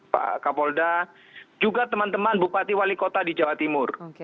pak kapolda juga teman teman bupati wali kota di jawa timur